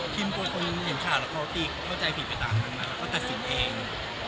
คิมคนเห็นฉาแล้วเข้าใจผิดไปต่างแล้วเขาตัดสินเอง